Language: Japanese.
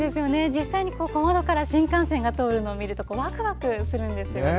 実際に小窓から新幹線が通るのを見るとワクワクします。